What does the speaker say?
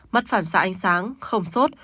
mất phản xạ ánh sáng không sốt